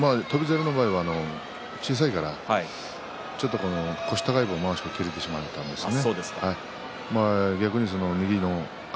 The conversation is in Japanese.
翔猿の場合にはちょっと小さいからまわしが切れてしまったんですね。